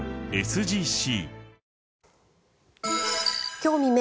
今日未明